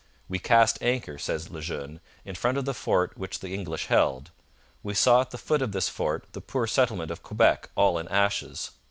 'We cast anchor,' says Le Jeune, 'in front of the fort which the English held; we saw at the foot of this fort the poor settlement of Quebec all in ashes.